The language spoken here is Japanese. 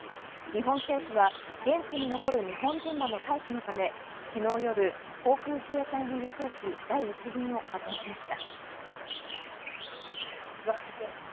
日本政府は現地に残る日本人らの退避のため昨日夜、航空自衛隊の輸送機第１便を派遣しました。